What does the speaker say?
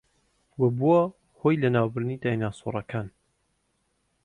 و بووە هۆی لەناوبردنی دایناسۆرەکان